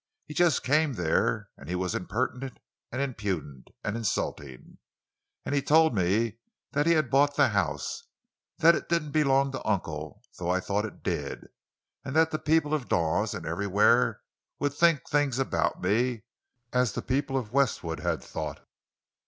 He just came there, and was impertinent, and impudent, and insulting. And he told me that he had bought the house; that it didn't belong to uncle—though I thought it did; and that the people of Dawes—and everywhere—would think—things—about me—as the people of Westwood had—thought.